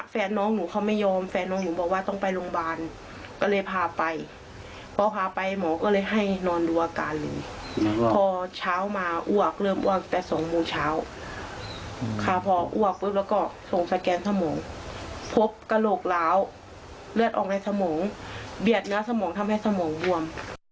แฟนน้องหนูเขาไม่ยอมแฟนน้องหนูบอกว่าต้องไปโรงพยาบาลก็เลยพาไปพอพาไปหมอก็เลยให้นอนดูอาการเลยพอเช้ามาอ้วกเริ่มอ้วกแต่สองโมงเช้าค่ะพออ้วกปุ๊บแล้วก็ส่งสแกนสมองพบกระโหลกร้าวเลือดออกในสมองเบียดเนื้อสมองทำให้สมองบวม